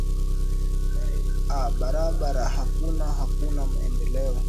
a barabara hakuna hakuna maendeleo